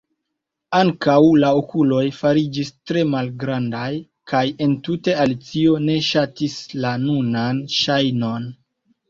Ankaŭ la okuloj fariĝis tre malgrandaj, kaj entute Alicio ne ŝatis la nunan ŝajnon.